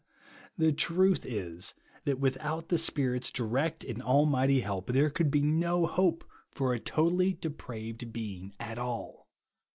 The truth is, that without the Spirit's direct and almighty help, there could be no hope for a totally depraved being at all.